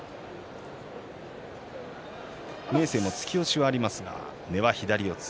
明生も突き押しがありますが根は左四つ。